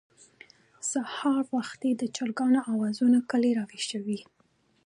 سهار وختي د چرګانو اوازونه کلى راويښوي.